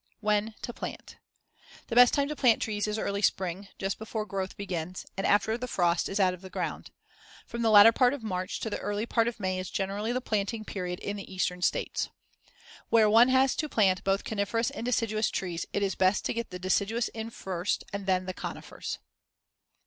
When to plant: The best time to plant trees is early spring, just before growth begins, and after the frost is out of the ground. From the latter part of March to the early part of May is generally the planting period in the Eastern States. Where one has to plant both coniferous and deciduous trees, it is best to get the deciduous in first, and then the conifers.